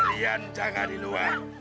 kalian jangan di luar